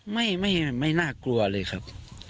ไม่ไม่น่ากลัวเลยครับ